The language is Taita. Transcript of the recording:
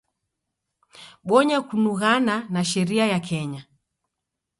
Bonya kunughana na sheria ya Kenya.